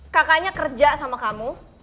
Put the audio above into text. kakaknya kerja sama kamu